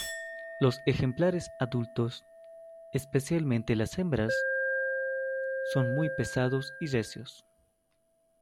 Los ejemplares adultos, especialmente las hembras, son muy pesados y recios.